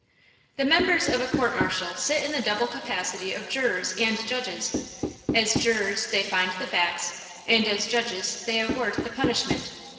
THE members of a court martial sit in the double capacity of jurors and judges; as jurors they find the facts, and as judges they award the punishment.